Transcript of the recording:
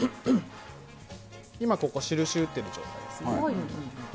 今、ここ、印打ってる状態ですね。